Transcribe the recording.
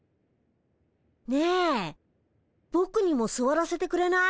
ねえぼくにもすわらせてくれない？